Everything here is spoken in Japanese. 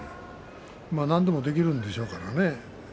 何でもできるんでしょうからね。